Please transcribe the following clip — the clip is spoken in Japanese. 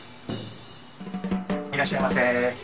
いらっしゃいませ。